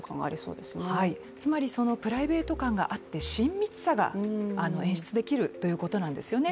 つまりプライベート感があって親密さが演出できるということなんですよね。